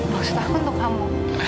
maksud aku untuk kamu